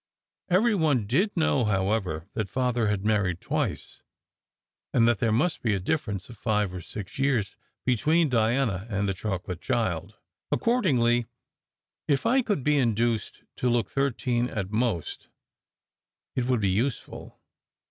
Every one did know, however, that Father had mar ried twice, and that there must be a difference of five or six years between Diana and the chocolate child. Ac cordingly, if I could be induced to look thirteen at most, it would be useful.